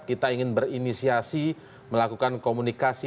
kita ingin berinisiasi melakukan komunikasi